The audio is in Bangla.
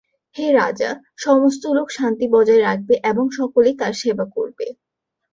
হে রাজা, সমস্ত লোক শান্তি বজায় রাখবে এবং সকলেই তাঁর সেবা করবে।